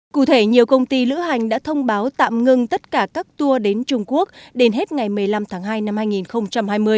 cụ thể nhiều công ty lữ hành đã thông báo tạm ngưng tất cả các tour đến trung quốc đến hết ngày một mươi năm tháng hai năm hai nghìn hai mươi